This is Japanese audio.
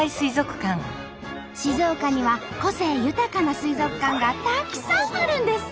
静岡には個性豊かな水族館がたくさんあるんです。